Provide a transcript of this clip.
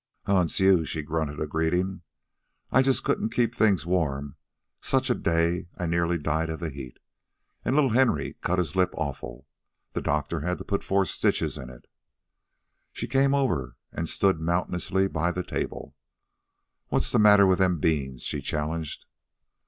"Huh, it's you," she grunted a greeting. "I just couldn't keep things warm. Such a day! I near died of the heat. An' little Henry cut his lip awful. The doctor had to put four stitches in it." Sarah came over and stood mountainously by the table. "What's the matter with them beans?" she challenged.